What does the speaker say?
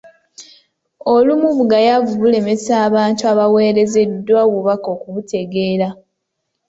Olumu bugayaavu bulemesa bantu abaweerezebwa obubaka okubutegeera.